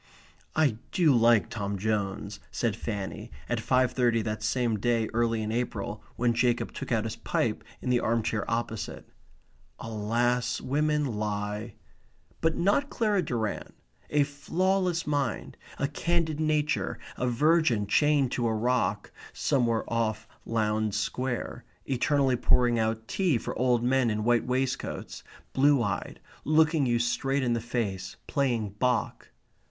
"I do like Tom Jones," said Fanny, at five thirty that same day early in April when Jacob took out his pipe in the arm chair opposite. Alas, women lie! But not Clara Durrant. A flawless mind; a candid nature; a virgin chained to a rock (somewhere off Lowndes Square) eternally pouring out tea for old men in white waistcoats, blue eyed, looking you straight in the face, playing Bach.